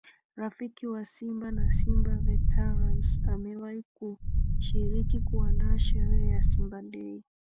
Rafiki wa Simba na Simba Veterans Amewahi kushiriki kuandaa sherehe ya Simba Day